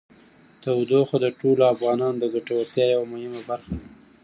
تودوخه د ټولو افغانانو د ګټورتیا یوه مهمه برخه ده.